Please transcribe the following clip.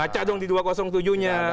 baca dong di dua ratus tujuh nya